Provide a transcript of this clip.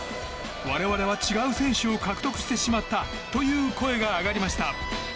我々は違う選手を獲得してしまったという声が上がりました。